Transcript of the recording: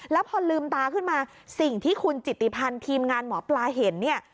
แล้วพอลืมตาขึ้นมาสิ่งที่คุณจิตติพันธ์ทีมงานหมอปลาเห็นเนี่ย